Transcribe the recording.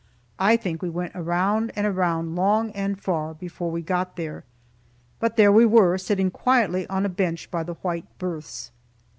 I think we went around and around, long and far, before we got there. But there we were, sitting quietly on a bench by the white berths.